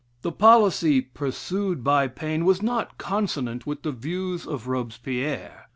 The policy pursued by Paine was not consonant with the views of Robespierre.